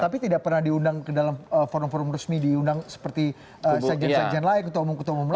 tapi tidak pernah diundang ke dalam forum forum resmi diundang seperti sekjen sekjen lain ketua umum ketua umum lain